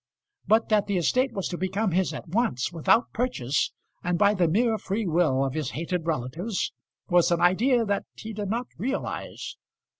But that the estate was to become his at once, without purchase, and by the mere free will of his hated relatives, was an idea that he did not realise.